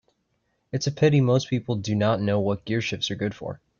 It's a pity most people do not know what gearshifts are good for.